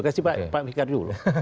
kasih pak fikar dulu